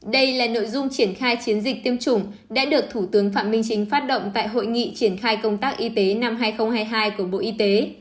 đây là nội dung triển khai chiến dịch tiêm chủng đã được thủ tướng phạm minh chính phát động tại hội nghị triển khai công tác y tế năm hai nghìn hai mươi hai của bộ y tế